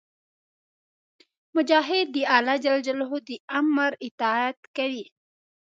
مجاهد د الله د امر اطاعت کوي.